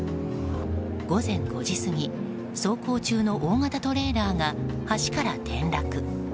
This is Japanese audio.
午前５時過ぎ走行中の大型トレーラーが橋から転落。